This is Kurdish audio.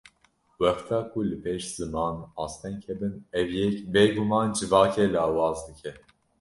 Wexta ku li pêş ziman asteng hebin ev yek, bêguman civakê lawaz dike